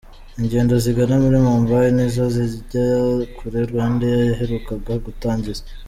Ingendo zigana muri Mumbai nizo zijya kure Rwandair yaherukaga gutangiza.